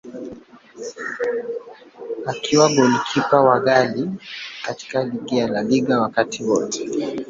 Akiwa golikipa wa ghali katika ligi ya La Liga wakati wote.